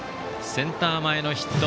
センター前のヒット。